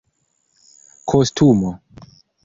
kostumo